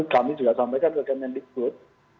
kami juga sampaikan ke kemendikbud